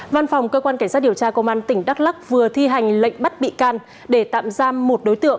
văn phòng cơ quan cảnh sát điều tra công an tp hcm vừa thi hành lệnh bắt bị can để tạm giam một đối tượng